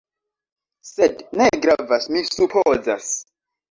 Sed ne gravas, mi supozas.